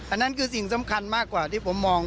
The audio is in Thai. อันนั้นคือสิ่งสำคัญมากกว่าที่ผมมอง